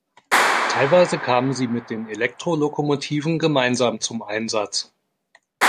Teilweise kamen sie mit den Elektrolokomotiven gemeinsam zum Einsatz.